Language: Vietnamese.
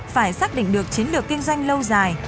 phải xác định được chiến lược kinh doanh lâu dài